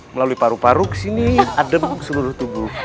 melalui paru paru ke sini adem seluruh tubuh